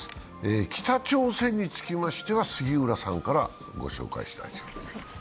北朝鮮につきましては杉浦さんから御紹介いたします。